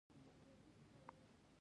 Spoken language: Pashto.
د خوندونو تنوع د حکمت نښه ده.